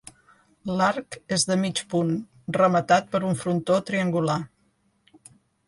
L'arc és de mig punt, rematat per un frontó triangular.